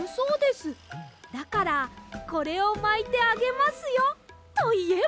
だからこれをまいてあげますよといえば。